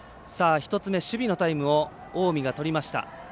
１つ目、守備のタイムを近江がとりました。